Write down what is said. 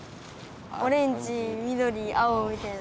オレンジみどり青みたいな。